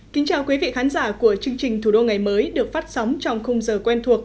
xin chào quý vị khán giả của chương trình thủ đô ngày mới được phát sóng trong khung giờ quen thuộc